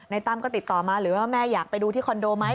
ตั้มก็ติดต่อมาหรือว่าแม่อยากไปดูที่คอนโดไหม